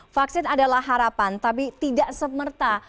vaksin adalah harapan tapi tidak semerta